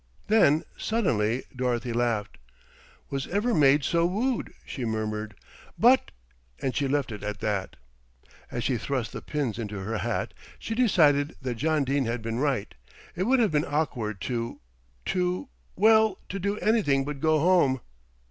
Then suddenly Dorothy laughed. "Was ever maid so wooed?" she murmured. "But " and she left it at that. As she thrust the pins into her hat, she decided that John Dene had been right. It would have been awkward to to well, to do anything but go home.